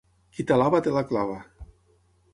Qui t'alaba, te la clava.